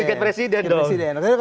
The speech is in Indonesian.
tiket presiden dong